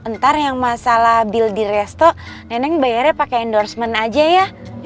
ntar yang masalah bil di resto nenek bayarnya pake endorsement aja ya